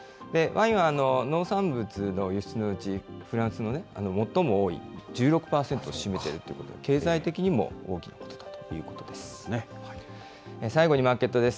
ワインは農産物の輸出のうち、フランスの最も多い１６％を占めているということで、経済的にも大きなことということです。